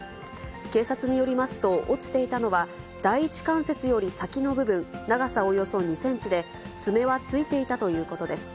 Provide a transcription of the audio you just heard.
警察によりますと、落ちていたのは、第１関節より先の部分、長さおよそ２センチで、爪はついていたということです。